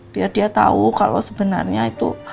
biar dia tahu kalau sebenarnya itu